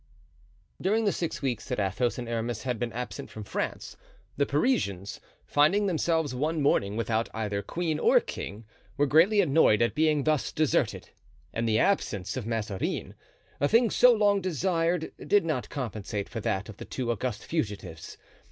During the six weeks that Athos and Aramis had been absent from France, the Parisians, finding themselves one morning without either queen or king, were greatly annoyed at being thus deserted, and the absence of Mazarin, a thing so long desired, did not compensate for that of the two august fugitives.